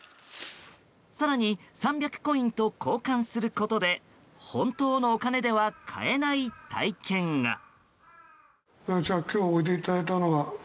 更に３００コインと交換することで本当のお金では買えない体験が。